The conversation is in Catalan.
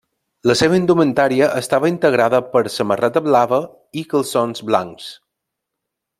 La seva indumentària estava integrada per samarreta blava i calçons blancs.